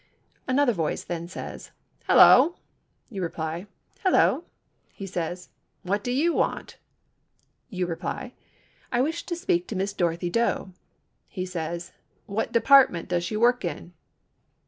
Another voice then says, "Hello." You reply "Hello." He says, "What do you want?" You reply, "I wish to speak to Miss Dorothy Doe." He says, "What department does she work in?"